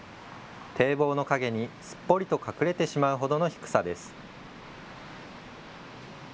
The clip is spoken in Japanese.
堤防の陰にすっぽりと隠れてしまうほどの低さです。